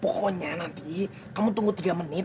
pokoknya nanti kamu tunggu tiga menit